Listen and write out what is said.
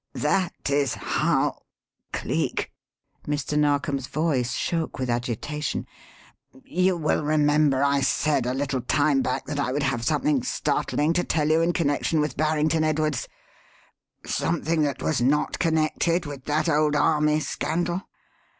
That is how Cleek!" Mr. Narkom's voice shook with agitation "You will remember I said, a little time back, that I would have something startling to tell you in connection with Barrington Edwards something that was not connected with that old army scandal?